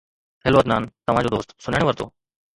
Hello Adnan, توهان جو دوست، سڃاڻي ورتو؟